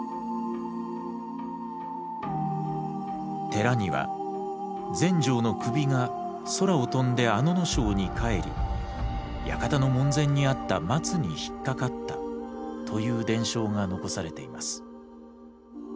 寺には全成の首が空を飛んで阿野荘に帰り館の門前にあった松に引っ掛かったという伝承が残されています。